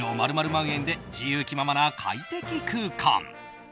○○万円で自由気ままな快適空間。